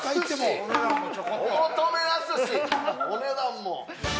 お求めやすし、お値段も。